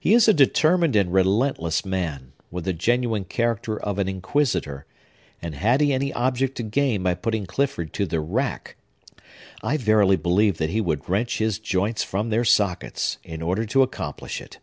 He is a determined and relentless man, with the genuine character of an inquisitor; and had he any object to gain by putting Clifford to the rack, I verily believe that he would wrench his joints from their sockets, in order to accomplish it.